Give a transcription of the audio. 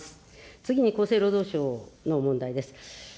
次に厚生労働省の問題です。